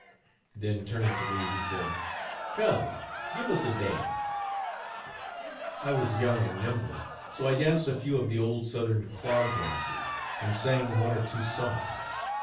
Then turning to me he said: "Come, give us a dance:" I was young and nimble, so I danced a few of the old southern clog dances, and sang one or two songs.